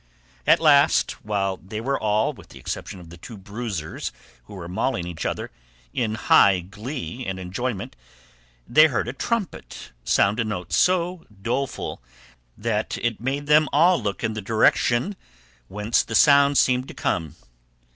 At last, while they were all, with the exception of the two bruisers who were mauling each other, in high glee and enjoyment, they heard a trumpet sound a note so doleful that it made them all look in the direction whence the sound seemed to come.